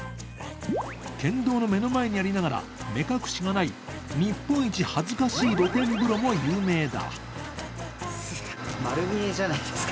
県道の目の前にありながら目隠しがない、日本一恥ずかしい露天風呂も有名だ。